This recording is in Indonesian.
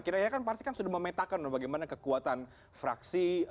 kiranya kan pasti sudah memetakan bagaimana kekuatan fraksi